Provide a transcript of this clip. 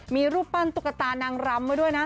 มีรูปปั้นตุ๊กตานางรำไว้ด้วยนะ